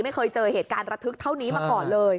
ไม่เคยเจอเหตุการณ์ระทึกเท่านี้มาก่อนเลย